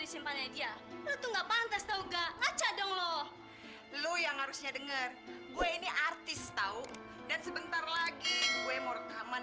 siapa yang bisa melarang aku masuk ke rumahmu